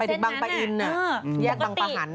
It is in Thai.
ถึงบังปะอินแยกบังปะหัน